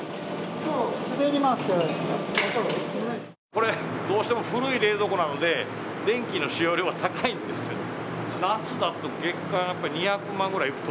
これ、古い冷蔵庫なので電気の使用量が高いんですよね。